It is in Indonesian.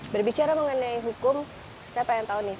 berbicara mengenai hukum saya pengen tahu nih